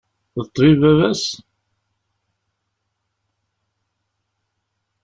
D ṭṭbib baba-s?